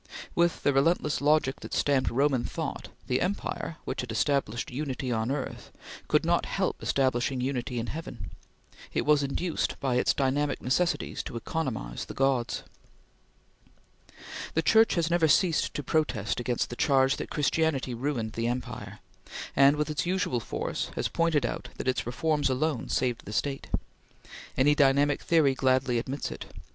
With the relentless logic that stamped Roman thought, the empire, which had established unity on earth, could not help establishing unity in heaven. It was induced by its dynamic necessities to economize the gods. The Church has never ceased to protest against the charge that Christianity ruined the empire, and, with its usual force, has pointed out that its reforms alone saved the State. Any dynamic theory gladly admits it.